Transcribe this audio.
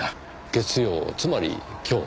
月曜つまり今日？